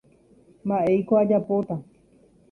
mba'éiko ajapóta.